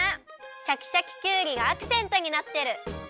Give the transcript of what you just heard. シャキシャキきゅうりがアクセントになってる。